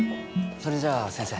それじゃ先生。